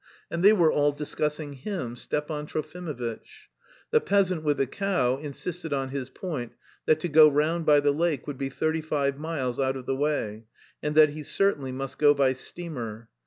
And they were all discussing him, Stepan Trofimovitch. The peasant with the cow insisted on his point that to go round by the lake would be thirty five miles out of the way, and that he certainly must go by steamer.